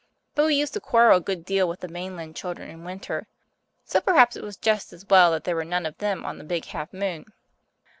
But we used to quarrel a good deal with the mainland children in winter, so perhaps it was just as well that there were none of them on the Big Half Moon.